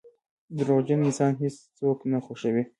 • دروغجن انسان هیڅوک نه خوښوي.